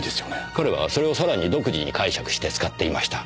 彼はそれをさらに独自に解釈して使っていました。